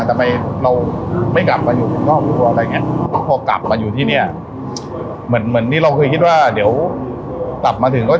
แต่เลยไม่กลับมาให้รู้กัดเมื่อกี้ครอบครัวอะไรอย่างนี้